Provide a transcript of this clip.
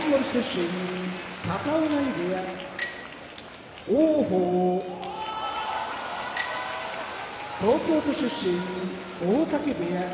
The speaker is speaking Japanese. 片男波部屋王鵬東京都出身大嶽部屋